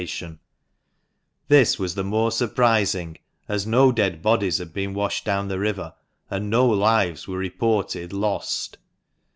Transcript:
n This was the more surprising as no dead bodies had been washed down the river, and no lives were reported " lost."